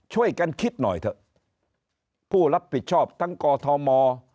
ช่วยกันคิดหน่อยเถอะผู้รับผิดชอบทั้งกอทม